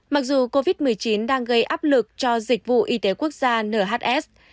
mặc dù covid một mươi chín đang gây áp lực cho dịch vụ y tế quốc gia nhs